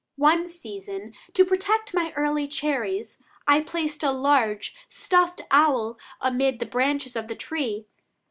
One season, to protect my early cherries I placed a large stuffed owl amid the branches of the tree.